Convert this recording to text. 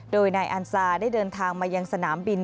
โดยนายอันซาได้เดินทางมายังสนามบิน